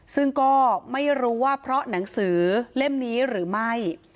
ซึ่งก็ไม่รู้ว่าเพราะหนังสือเล่มนี้หรือไม่